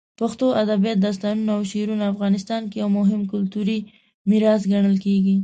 پښتو ادبیات، داستانونه، او شعرونه افغانستان کې یو مهم کلتوري میراث ګڼل کېږي.